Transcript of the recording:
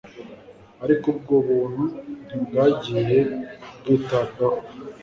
ariko ubwo buntu ntibwagiye bwitabwaho